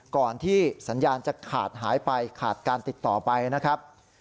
ก่อนที่สัญญาณจะขาดหายไปขาดการติดต่อไปนะครับ